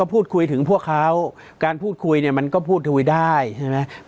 พูดคุยถึงพวกเขาการพูดคุยเนี่ยมันก็พูดคุยได้ใช่ไหม